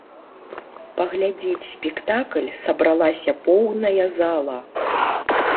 Паглядзець спектакль сабралася поўная зала.